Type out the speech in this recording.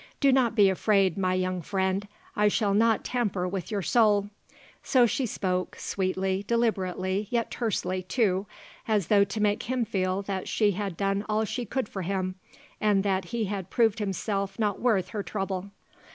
Do not be afraid, my young friend; I shall not tamper with your soul." So she spoke, sweetly, deliberately, yet tersely, too, as though to make him feel that she had done all she could for him and that he had proved himself not worth her trouble.